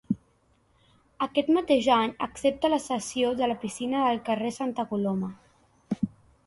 Aquest mateix any accepta la cessió de la piscina del carrer Santa Coloma.